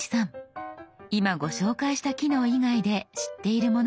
今ご紹介した機能以外で知っているものはありますか？